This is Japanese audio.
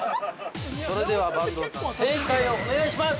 ◆それでは阪東さん、正解をお願いします！